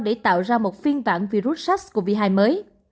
để tạo ra một phiên bản virus sars cov hai mới